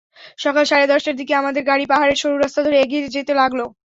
সকাল সাড়ে দশটার দিকে আমদের গাড়ি পাহাড়ের সরু রাস্তা ধরে এগিয়ে যেতে লাগল।